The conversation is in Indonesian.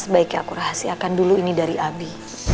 sebaiknya aku rahasiakan dulu ini dari abi